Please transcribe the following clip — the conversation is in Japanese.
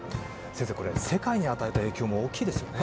先生、これは世界に与えた影響も大きいですよね。